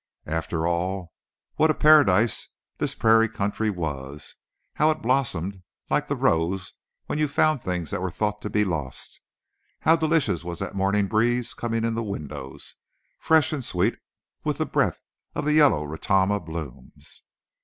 After all, what a paradise this prairie country was! How it blossomed like the rose when you found things that were thought to be lost! How delicious was that morning breeze coming in the windows, fresh and sweet with the breath of the yellow ratama blooms!